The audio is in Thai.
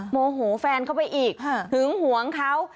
โมโหแฟนเข้าไปอีกหึงหวงเขา